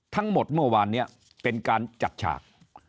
ทั้งหมดเมื่อวานนี้เป็นการจัดฉาก